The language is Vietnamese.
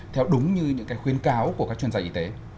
theo đúng như những khuyến cáo của các chuyên gia y tế